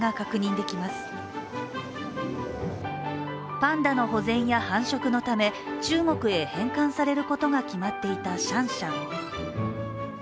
パンダの保全や繁殖のため中国へ返還されることが決まっていたシャンシャン。